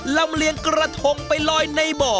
ลำเลียงกระทงไปลอยในบ่อ